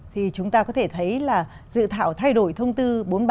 thì chúng ta có thể thấy là dự thảo thay đổi thông tư